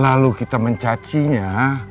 lalu kita mencacinya